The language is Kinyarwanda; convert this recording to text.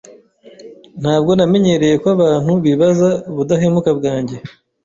Ntabwo namenyereye ko abantu bibaza ubudahemuka bwanjye.